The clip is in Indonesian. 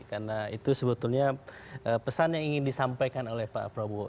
karena itu sebetulnya pesan yang ingin disampaikan oleh pak prabowo